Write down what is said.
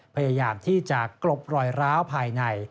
พยายามที่จะกลบรอยร้าวภายใน